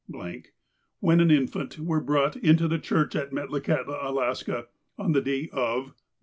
.wken an infant were brotight into the Church at Metla kahtla^ Alaska, on the day of..